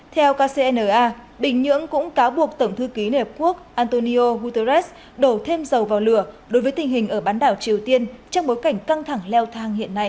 theo kcna bình nhưỡng cũng cáo buộc tổng thư ký liên hợp quốc antonio guterres đổ thêm dầu vào lửa đối với tình hình ở bán đảo triều tiên trong bối cảnh căng thẳng leo thang hiện nay